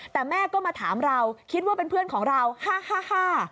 แต่แม่ก็มาถามเราคิดว่าเป็นเพื่อนของเราห้าห้า